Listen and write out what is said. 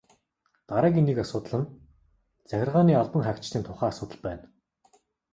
Дараагийн нэг асуудал нь захиргааны албан хаагчдын тухай асуудал байна.